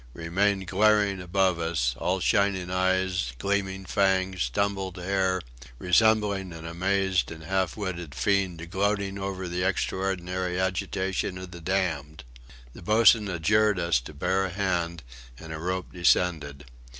remained glaring above us all shining eyes, gleaming fangs, tumbled hair; resembling an amazed and half witted fiend gloating over the extraordinary agitation of the damned. The boatswain adjured us to "bear a hand," and a rope descended.